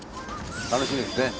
楽しみですね。